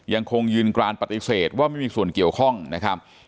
ยังคงยืนกรานปฏิเสธว่าไม่มีส่วนเกี่ยวข้องนะครับ